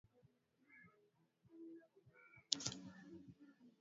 tiko ya sasa na kuwa na matumaini ya hapo baadaye